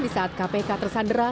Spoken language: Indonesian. di saat kpk tersandera